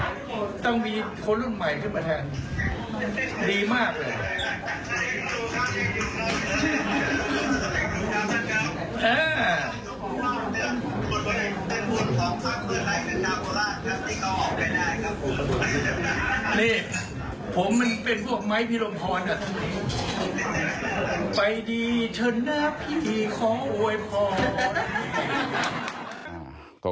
นี่ผมมันเป็นพวกไม้พี่ลมพรน่ะไปดีเชิญหน้าพี่ขอโอ้ยพอ